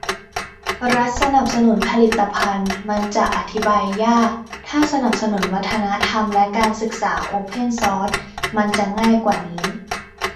รัฐสนับสนุนผลิตภัณฑ์มันจะอธิบายยาก ถ้าสนับสนุนวัฒนธรรมและการศึกษาโอเพนซอร์สมัยจะง่ายกว่านี้